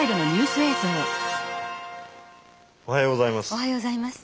おはようございます。